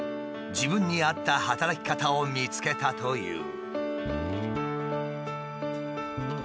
自分に合った働き方を見つけたという。